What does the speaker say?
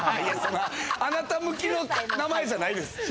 あなた向きの名前じゃないです。